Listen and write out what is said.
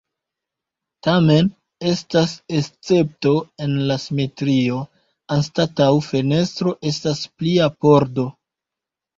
Tamen estas escepto en la simetrio, anstataŭ fenestro estas plia pordo.